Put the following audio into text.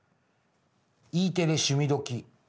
「Ｅテレ趣味どきっ！」。